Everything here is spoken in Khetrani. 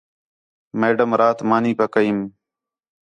میڈم رات مانی پکیئم